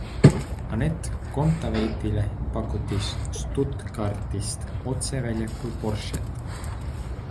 Anett Kontaveitile pakuti Stuttgartis otse väljakul Porschet!